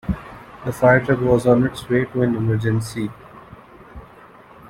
The fire truck was on its way to an emergency.